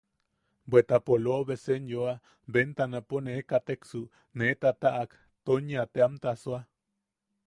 Bweta polobe senyoa, bentanapo ne kateksu nee tataʼak, Tonya teamta asoa.